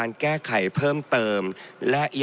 มาตรา๑๔๖๒